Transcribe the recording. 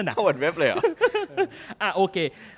ฮาเวิร์ดเว็บเลยเหรอ